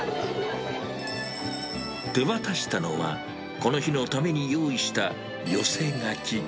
手渡したのは、この日のために用意した寄せ書き。